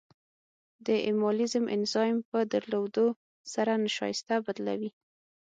د امایلیز انزایم په درلودو سره نشایسته بدلوي.